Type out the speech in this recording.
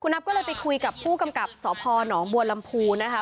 คุณนับก็ไปที่คุยกับผู้กำกับสพหนองบวนลำพูนะคะ